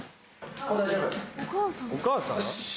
お母さん？